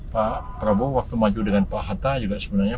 pak prabowo waktu maju dengan pak hatta juga sebenarnya